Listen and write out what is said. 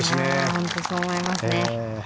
本当にそう思いますね。